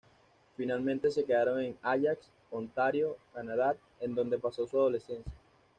Finalmente se quedaron en Ajax, Ontario, Canadá, en donde pasó su adolescencia.